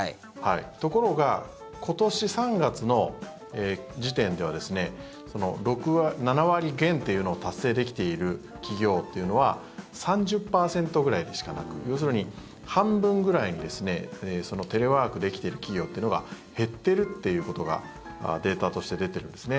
ところが、今年３月の時点では７割減というのを達成できている企業というのは３０％ぐらいでしかなく要するに半分ぐらいにテレワークできている企業というのが減っているということがデータとして出てるんですね。